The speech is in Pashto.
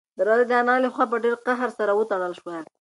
دروازه د انا له خوا په ډېر قهر سره وتړل شوه.